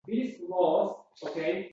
Xolajon, gapni sal kaltaroq qiling.